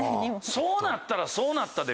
そうなったらそうなったで。